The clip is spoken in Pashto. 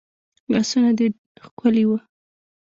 لاسونه دي ښکلي وه